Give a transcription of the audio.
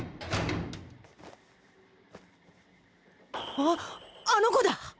あっあの子だ！